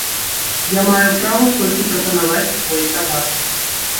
Я маю права толькі прапанаваць свой тавар.